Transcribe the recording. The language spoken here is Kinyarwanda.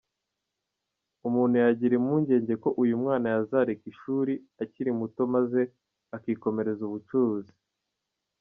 Umuntu yagira impungenge ko uyu mwana yazareka ishuri akiri muto maze akikomereza ubucuruzi.